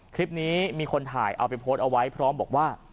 คลิปนี้มีคนถ่ายเอาไว้พร้อมบอกว่า